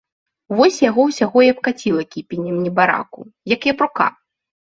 Вось яго ўсяго і абкаціла кіпенем, небараку, як япрука.